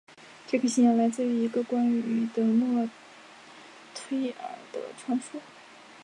这个信仰来自一个关于得墨忒耳的传说。